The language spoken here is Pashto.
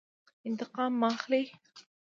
انتقام مه اخلئ